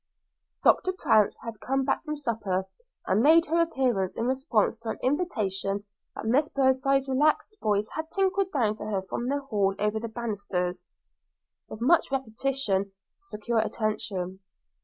Doctor Prance had come back from supper and made her appearance in response to an invitation that Miss Birdseye's relaxed voice had tinkled down to her from the hall over the banisters, with much repetition, to secure attention.